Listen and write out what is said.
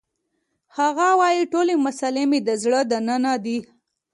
هغه وایی ټولې مسلې مې د زړه دننه دي